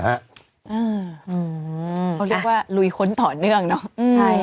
เขาเรียกว่าลุยค้นต่อเนื่องเนอะ